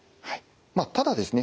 ただですね